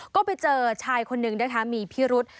ก็ไปเจอชายคนนึงนะคะมีพิรุษ